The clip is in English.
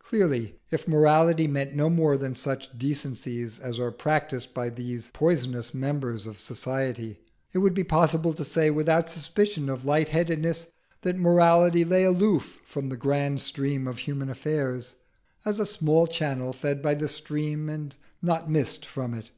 Clearly if morality meant no more than such decencies as are practised by these poisonous members of society, it would be possible to say, without suspicion of light headedness, that morality lay aloof from the grand stream of human affairs, as a small channel fed by the stream and not missed from it.